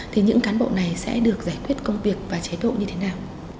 thì những cán bộ này sẽ được giải quyết công việc và chế độ như thế nào